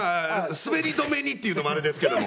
滑り止めにっていうのもあれですけども。